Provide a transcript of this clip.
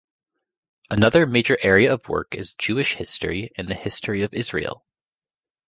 Another major area of work is Jewish history and the History of Israel.